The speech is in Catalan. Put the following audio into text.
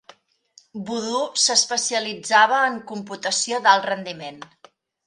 Voodoo s'especialitzava en computació d'alt rendiment.